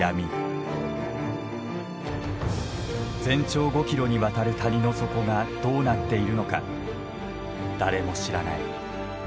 全長５キロにわたる谷の底がどうなっているのか誰も知らない。